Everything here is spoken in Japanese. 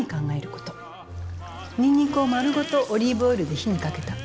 ニンニクを丸ごとオリーブオイルで火にかけた。